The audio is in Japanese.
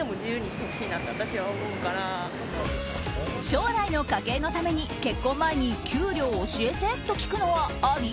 将来の家計のために結婚前に給料教えてと聞くのはあり？